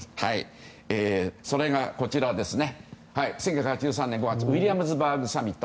それが、１９８３年５月のウィリアムズバーグサミット。